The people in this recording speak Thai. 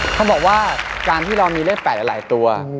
เขาบอกว่าการที่เรามีเลข๘หลายตัว